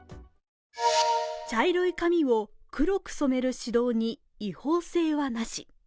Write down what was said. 茶色い髪を黒く染める指導に違法性はなし。